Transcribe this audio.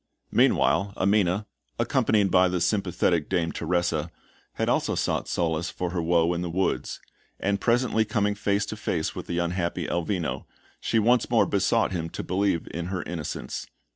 Meanwhile, Amina, accompanied by the sympathetic Dame Teresa, had also sought solace for her woe in the woods; and presently coming face to face with the unhappy Elvino, she once more besought him to believe in her innocence.